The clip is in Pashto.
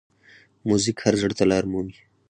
موزیک هر زړه ته لاره مومي.